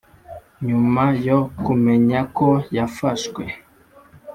nyuma yo kumenyako yafashwe,